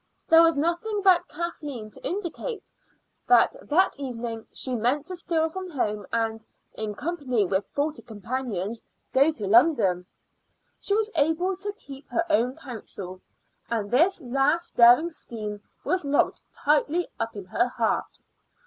There was nothing about Kathleen to indicate that that evening she meant to steal from home and, in company with forty companions, go to London. She was able to keep her own counsel, and this last daring scheme was locked tightly up in her heart.